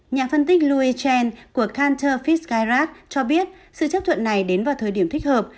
nhà phân tích louis chen của canter fitzgerald cho biết sự chấp thuận này đến vào thời điểm thích hợp